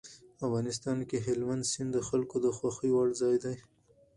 افغانستان کې هلمند سیند د خلکو د خوښې وړ ځای دی.